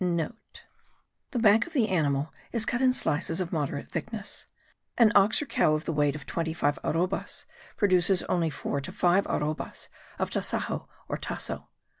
(* The back of the animal is cut in slices of moderate thickness. An ox or cow of the weight of 25 arrobas produces only 4 to 5 arrobas of tasajo or tasso.